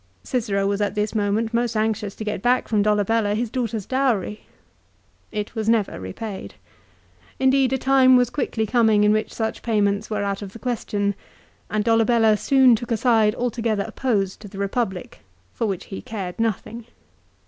Cicero was at this moment most anxious to get back from Dolabella his daughter's dowry. It was never repaid. Indeed, a time was quickly coming in which such payments were out of the question, and Dolabella soon took a side altogether opposed to the Republic, for which he cared nothing.